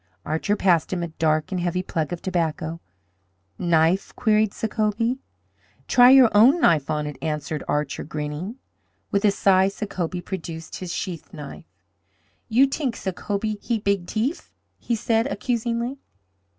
Archer passed him a dark and heavy plug of tobacco. "Knife?" queried Sacobie. "Try your own knife on it," answered Archer, grinning. With a sigh Sacobie produced his sheath knife. "You t'ink Sacobie heap big t'ief," he said, accusingly.